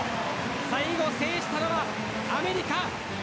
最後を制したのはアメリカ！